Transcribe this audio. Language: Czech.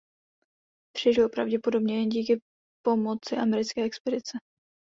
Přežil pravděpodobně jen díky pomoci americké expedice.